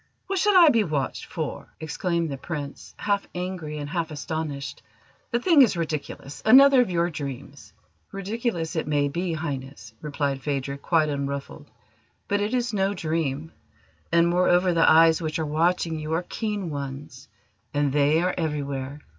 What should I be watched for?" exclaimed the Prince, half angry and half astonished. "The thing is ridiculous; another of your dreams!" "Ridiculous it may be, Highness," replied Phadrig, quite unruffled, "but it is no dream; and, moreover, the eyes which are watching you are keen ones and they are everywhere.